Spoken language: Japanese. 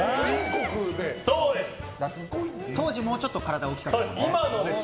当時もうちょっと体大きかったですけど。